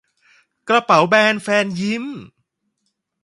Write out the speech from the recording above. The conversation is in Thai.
กระเป๋าแบนแฟนยิ้ม